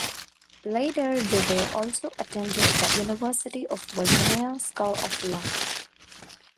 Later, Dewey also attended the University of Virginia School of Law.